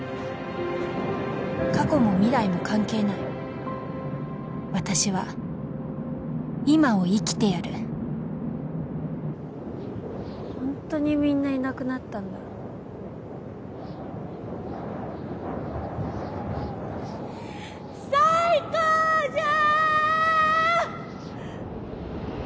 過去も未来も関係ない私は今を生きてやるホントにみんないなくなったんだ最高じゃーん！